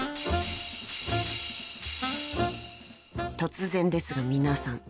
［突然ですが皆さん。